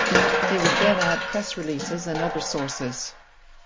They would then add press releases and other sources.